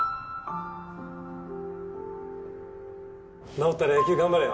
治ったら野球頑張れよ。